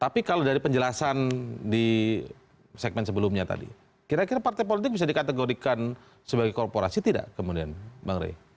tapi kalau dari penjelasan di segmen sebelumnya tadi kira kira partai politik bisa dikategorikan sebagai korporasi tidak kemudian bang rey